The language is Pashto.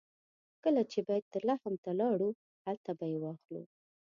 کله چې بیت لحم ته لاړو هلته به یې واخلو.